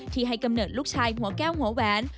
ให้กำเนิดลูกชายหัวแก้วหัวแหวน